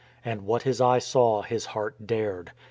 And what his eye saw his heart dared.